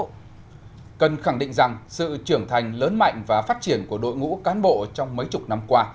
cần khẳng định rằng sự trưởng thành lớn mạnh và phát triển của đội ngũ cán bộ trong mấy chục năm qua